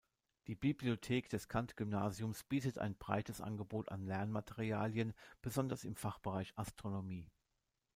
Die Bibliothek des Kant-Gymnasiums bietet ein breites Angebot an Lernmaterialien, besonders im Fachbereich Astronomie.